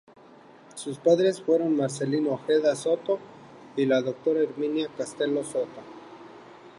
Sus padres fueron Marcelino Ojeda Sotto y la doctora Herminia Castelo Sotto.